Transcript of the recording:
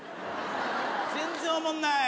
全然おもんない。